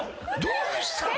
どうした？